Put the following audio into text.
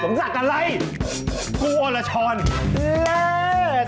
สมศักดิ์อะไรกลัวละช้อนเลิก